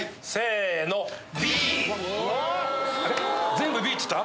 全部Ｂっつった？